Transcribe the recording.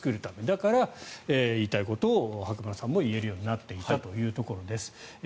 だから言いたいことを白村さんも言えるようになっていたということです。